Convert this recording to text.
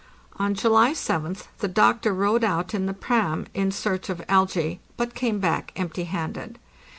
On July 7th the doctor rowed out in the " pram" in search of alge, but came back empty handed.